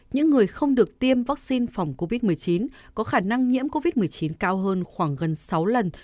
những người không được tiêm vaccine phòng covid một mươi chín có khả năng nhiễm covid một mươi chín cao hơn khoảng gần sáu lần